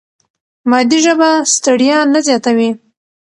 مادي ژبه ستړیا نه زیاتوي.